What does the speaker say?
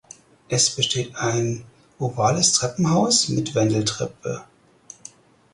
Es besteht ein ovales Treppenhaus mit Wendeltreppe.